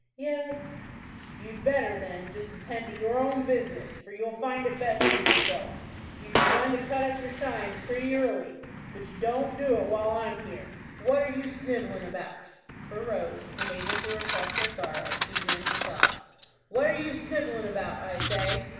"Yes." "You'd better, then, just attend to your own business, for you'll find it best for yourself. You've begun to cut up your shines pretty early. But you don't do it while I'm here. What are you snivelling about?"—for Rose, unable to repress her sorrow, began to sob. "What are you snivelling about, I say?"